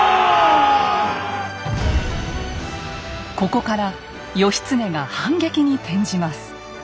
ここから義経が反撃に転じます。